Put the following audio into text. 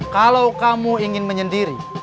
kalau kamu ingin menyendiri